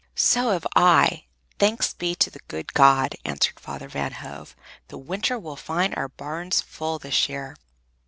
"So have I, thanks be to the good God;" answered Father Van Hove. "The winter will find our barns full this year."